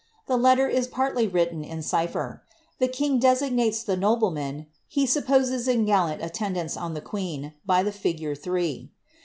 The letter is partly written in cipher; ilie kiiig 'esigiiaies the nobleman, he supposes in gallajit attendance ou the queen, hy the figure 3.